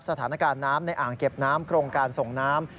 สถานการณ์น้ำในอ่างเก็บน้ำโครงการส่งน้ำ